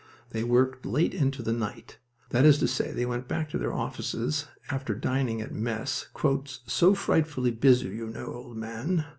They worked late into the night. That is to say, they went back to their offices after dining at mess "so frightfully busy, you know, old man!"